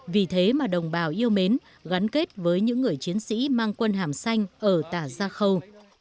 vì thế mà đồng bào yêu mến gắn kết với những người chiến sĩ mang quân hàm xanh ở tà gia khâu